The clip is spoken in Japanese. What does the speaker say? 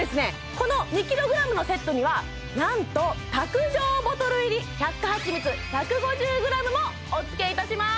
この２ｋｇのセットにはなんと卓上ボトル入り百花はちみつ１５０ｇもおつけいたします